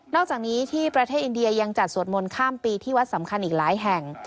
อกจากนี้ที่ประเทศอินเดียยังจัดสวดมนต์ข้ามปีที่วัดสำคัญอีกหลายแห่ง